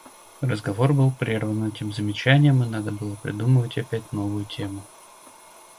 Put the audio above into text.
Разговор был прерван этим замечанием, и надо было придумывать опять новую тему.